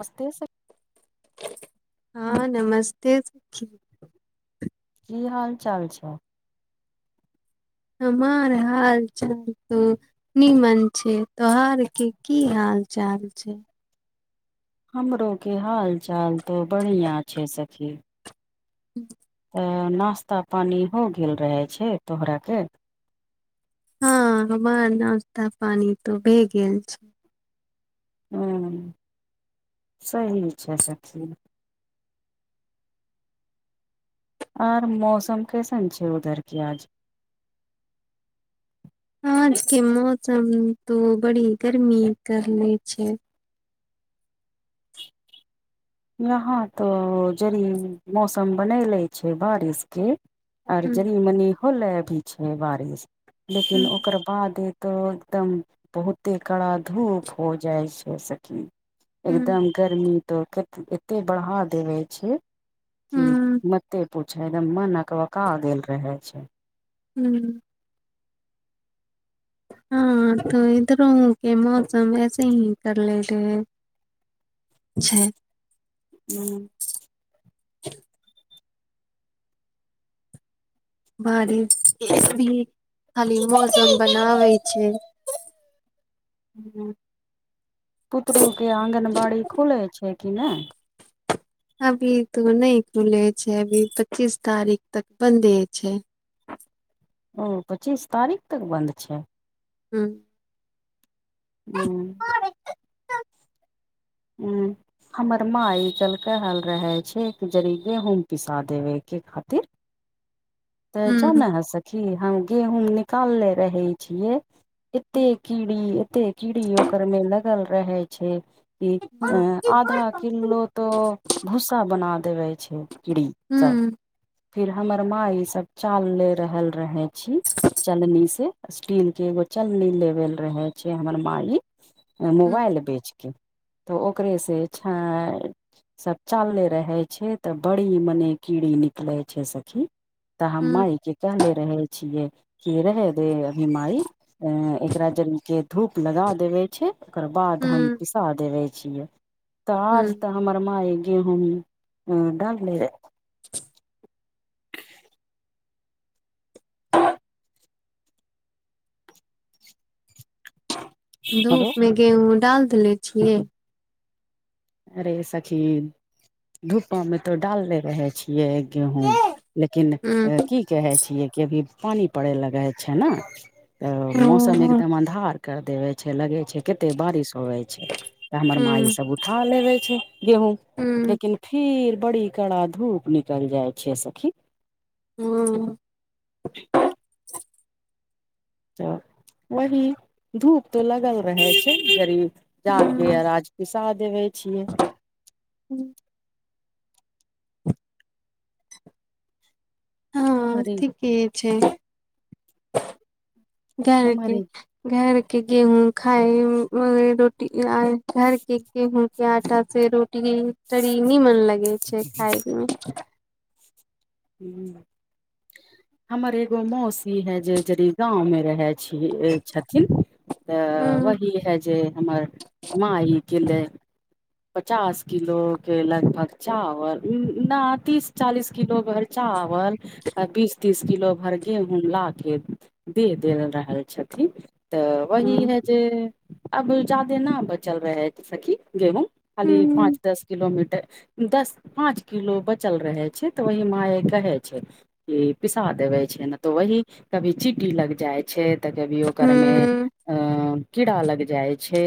नमस्ते हँ नमस्ते सखी। कि हाल चाल छै हमर हाल चाल तऽ निमन छै त्योहार के की हाल चाल छै हमरो के हाल चाल तो बढ़िया छै सखी। ह। तऽ नाश्ता पानि हो गेल रहै छै तोहरा के हँ हमर नश्ता पानी त भए गेल छै हूँ सही छै सभ चीज आर मौसम कैसन छै उधर कि आज आज के मौसम तो बड़ी गर्मी कले छै यहाँ तो जद मौसम बनले छै बारिश के आर हँ जनी मनी होले भी छै बारिश लेकिन ओकर। बादे तो एकदम बहुते कड़ा धूप हो जाय छै सभकी एकदम गर्मी तो एते बढ़ा देबे छै कि मते। पूछ एकदम मन अकवाकऽ गेल रहे छै हू। हँ तो इधरो के मौसम ऐसे हे कर ले रहे है छै हू। बारिश भी खाली मौसम बनाबे छै। ह पुतू के आँगनबाड़ी खुलै छै कि नहि अभी तो नहि खुले छै अभी पच्चीस तारीख तक बंन्दे छै ओ पच्चीस तारीख तक बन्द छै। हँ। हू। हू। हमर माँ इ चलक हल रहे छै एक जरी गेहूम पिसा देवे के खातिर तऽ ह जान ह है सकी हम गेहूँम निकालनेे रहै छियै एते कीड़ी एते कीड़ी ओकर मऽ लगल रहे छै कि अ आधा किलो तऽ भूसा बना देवे छै कीड़ी सब फिर हमर माय ई सब चाल ले रहल रहे छी चलनी से स्टील के एगो चलनी लेवल रहे छै हमर मााय मोबाइल बेच कऽ तऽ ओकरेसँ छ सब चालले रहे छै तऽ बड़ी मने कीड़ी निक निकले छै सखी तऽ हम ह मााय के कहले रहे छियै क रहे दे अभी मायी अ एकरा जल के धूप लगा देवे छै ओकर ह ह बाद हम पिसा देबे छियै ह ताज तऽ हमर माई गेहू डालले रहै धूप हेलो मऽ गेहूँं डाल देेले छियै अरे सखी धूपा मऽ तो डालले रहे छी [unintelligible] गेहूँ ह लेकिन की कहे छियै कि अभी पानी पड़े लगे छै नऽ तऽ मौसम ह एकदम अंहार के देवे छै लगे छै कते बारिश होवे छै त हमर मा इ सब उठा लेबे छै गेहूँ लेकिन फेर बड़ी कड़ा धूप निकलि जाइ छै सखी हँ तऽ वही धूप तो लगल रहे छै गरी जााक पिसा देबै छियै हूँ हँ हमरे ठीके छै धरके हमरे घर के गेहूँ खााय [unintelligible] रोटी घर के गेहूँ के आटा से रोटी तनि निमन लगे छै खााय मे हमर एगो मौसी है जे ज गाँव मे रहै छी छथिन तऽ ह वही है जे हमर माँ ई किलै पचास किलो के लगभग चावल न तीस चालीस किलो भर चावल आ बीस तीस किलो भर गेहू ला कऽ दे देल रहल छथिन तऽ वही नहि है जे अब जादे न बचल रहे है ज सखी गेहूँं खाली पाँच दस कििलोमीटर दस पाँच किलो बचल रहे छै तऽ वही माय कहे छै कि पिसा देबे छै नऽ तऽ वही कभी चिटी लग जाइ छै तऽ कभी ओकर मऽ कीड़ा लग जाय छै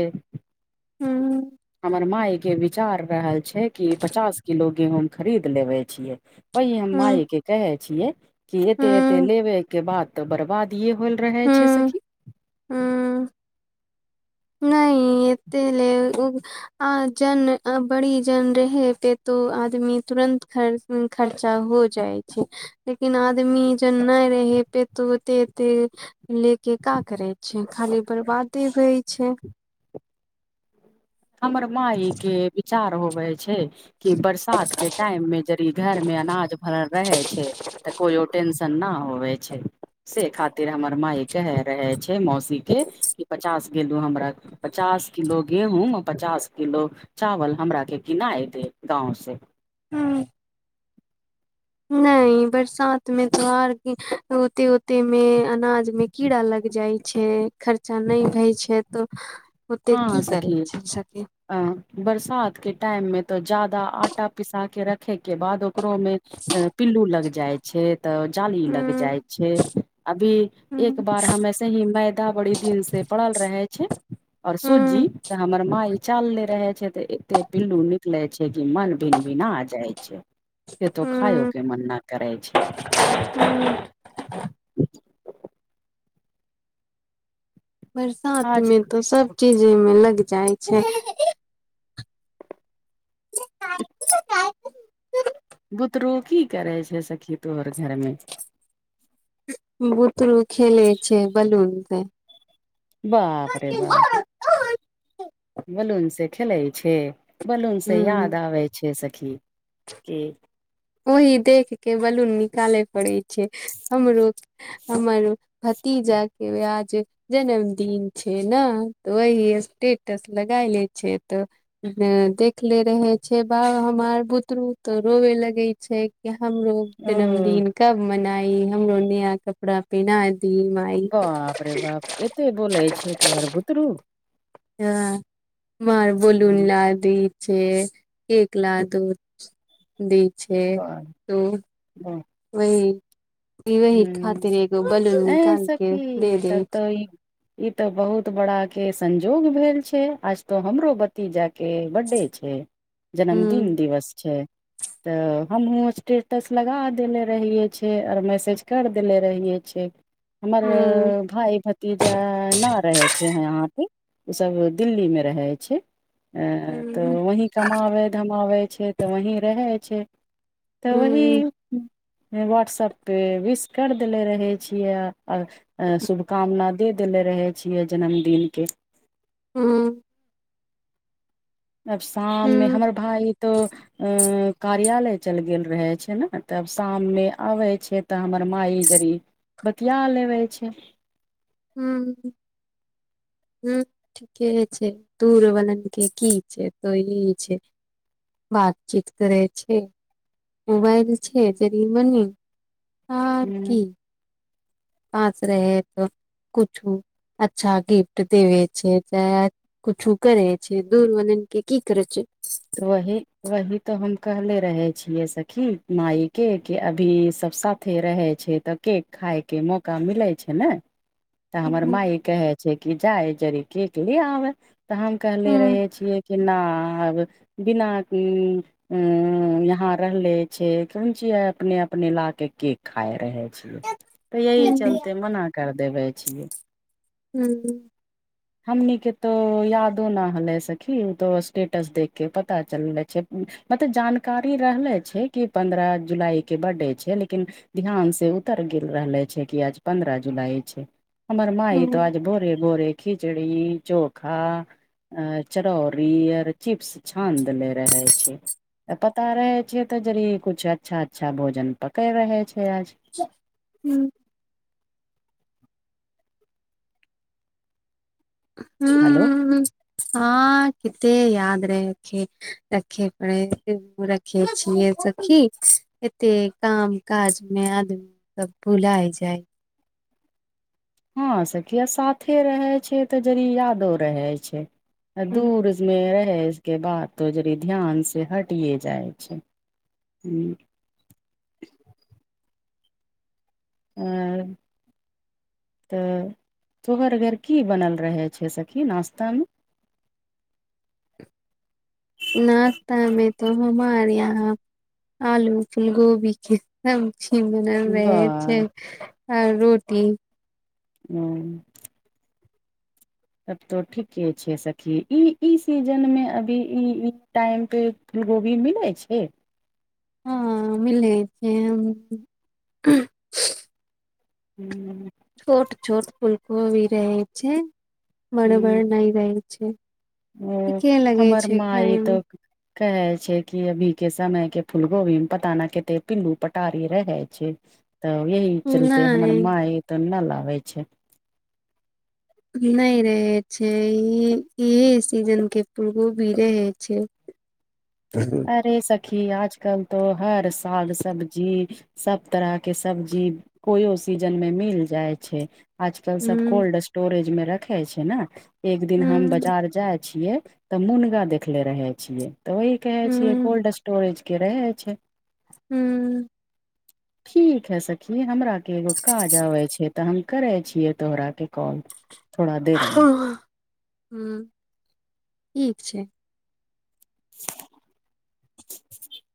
हमर माय के विचार रहल छै कि पचास किलो गेहूंम खरीद लेबे छियै वही हम मायएके कहे छिये कि एते एते लेबे के बाद तऽ बर्बाद ये होल रहे छै सखी हू नहि एते लेल आ जन बड़ी जन रहे पेतो आदमी तुरन्त खर्च खर्चा हो जाइ छै लेकिन आदमी जन नहि रहे पेतो ऐते ऐते ले कऽ का करै छै खाली बर्बादे होइ छै हमर मााय के विचार होबे छै कि बरसात के टाइम मे यद घर मे अनाज भरल रहे छै तऽ कोइो टेशन नहि होवे छै से खातिर हमर माय कह रहे छै मौसीक के कि पचास गेलू हमरा। पचास किलो गेहूँ। पचास किलो चावल हमरा के किना एत गाव से हू नहि बरसात मे तार होती हो। ताहिमे अनाज मे कीड़ा लग जाइ छै खर्चा नहि होइ छै त ह सखीए अ बरसात के टाइम मे तो ज्यादा आटा पिसा के रखे के बाद ओ ओकरो मे पिल्लू लग जाय छै त जाली लग जाय छै अभी एक बार हमेसे ही मैदा बड़ी दिन से पड़ल रहे छै। और सूत जी त हमर माँ चल नहि रहे छै तऽ एते पिल्लू निकले छै कि मन भिन भिन अ जाइ छै स तो खायो के मन न करै छै हू बरसात आज मे तऽ सभ चीज ओमे लग जाइ छै अ। बुतरू कि करै छै सखी तोहर घरमे बूतरू खेल छै, बलून से बाप रे बाप बलून से खेलै छै बलून स हूँ याद आबै छै सखी के ओह देख के बलून निकाले पड़े छै हमरो हमर। भाटिया के व आज जन्मदिन छै ने तऽ ओही स्टेटस लगायले छै तऽ देखले रहे छै बाब हमार बुतरू त रोवे लगे छै कि हमरो ओ जन्मदिन। कब मनाई हमरो न यहा कपड़ा पहिना दी माई बाप रे बाप एते बोले छै तोहर बुतरू। ह मर बोलन ल दी छै एक ल दू दी छै हँ। वही खातिर एगो बलून ए निकालके सखी दे दै तब छै तऽ ई ई ते बहुत बड़ा के संजोग भेल छै आज तो हमरो तीजा के बर्दे छै जन्मदिन हुं दिवस छै। तऽ हमहु स्टेटस लगा देले रहिये छै आर मेसेज कर देले रहिय छै। हमर हुं भाय भतीजा ने रहे छै यहा पे ओ सभ दिल्ली मे रहै छै अ तऽ हुं वही कमाबैत धमाबै छै तऽ वही रहै छै तऽ हुं वही। वहाट्सअपे विश करि देने रहै छियै आ शुभकामना दे देले रहे छियै जन्मदिनक के हू। आब शाम मे हुं हमर भाय तो अ कार्यालय चल गेल रहे छै ने तब शाम मे आबै छै तऽ हमर माइ जड़ बतिया लेबे छै हू हु ठीके छै दूर बला के की छै त ई छै बातचीत करै छै ओबइ छै त बनी हां हूँ की पास रहे त कुछु अच्छा गिफ्ट देवे छै चाहे कुछु करै छै दूर वलन के की करै छै वही वही तऽ हम कहले रहै छियै सखी माय के कि अभी सब सब रह छै तऽ केक खायके मौका मिलै छै ने तऽ हुं हमर माइ कहै छै कि जाय जड़ि केक ले आबे तऽ हम कहले हुं रहे छियै कि नाऽ आब बिना कि उं यहां रहले छियै कोन ची अपने अपने ला के केक खाय रहै लियै तैऽ हुं चलते मना कर देबे छियै हूं हूं हमनि के तो यादो न हले सखी उ तो स्टेटस देख के पता चलले छै मतलब जानकारी रहले छै कि पन्द्रह जुलाई के बड्डे छै लेकिन ध्यान से उतर गेल रहले छै कि आज पन्द्रह जुलाई छै हमर माइ हुं तऽ आज भोरे भोरे खिचड़ी चोखा आ चरौरी आर चिप्स छान देले रहै छै तऽ पता रहै छै तऽ जड़ कुछ अच्छा अच्छा भोजन पकै रहै छै आज हू हू [unintelligible] हेलो हँ किते याद रहैखे रखे पड़े रखै छीये सखी एतेक काम काज मे आदमी सब भुलाय जाय हँं सखी साथे रहै छियै तऽ जड़ यादो रहै छै आ दूर इसमे रहै के बात तो जड़ ध्यान से हटिए जाइ छै हू ह तऽ तोहर घर की बनल रहै छै सखी नाश्ता मे नश्तामे तो हमार यहाँ आलू के गोभी के [unintelligible] छी ब [unintelligible] आ रोटी [inaudible] तब तो ठीके छै सखी ई ई सीजनमे अभी ई ई टाइम पे ई गोभी मिलै छै हँ मिलइ छै हम हूँ छोट छोट फूलकोबी रहै छै बर बर ह नय रहै छै ओ ठीके लगे हमर छै माई खाय मे तक कहै छै कि अभी के समय के फूल गोभी मे पता नहि कते पिल्लू पटारी रहै छै तऽ यही चलते हमर नहि माय तब न लाबे छै नहि रहै छै ई इहे सीजन के फुलगोभी रहै छै ह [inaudible] अरे सखी आज कल तो हर साग सब्जी सभ तरह के सब्जी कोइो सीजन मे मिल जाइ छै। आजकल सभ हूँ कोल्ड स्टोरेज मे रखे छै ने एक दिन हम हूँ बाजार जाय तऽ मुनगा देखे रह छियै त वह कहै छियै हूँ कोल्ड स्टोरेज के रहे छै। हूँ। ठीक है सखी हमराके एगो काज आबैत छै त हम करै छियै तोहराके कॉल थोड़ा देर मे ह ठीक छै। [inaudible]